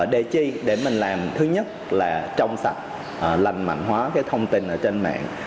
để chi để mình làm thứ nhất là trong sạch lành mạnh hóa cái thông tin ở trên mạng